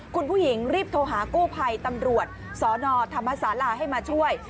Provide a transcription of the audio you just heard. คุณผู้หญิงรีบโทรหากู้ภัยตำรวจสนธรรมศาลาให้มาช่วย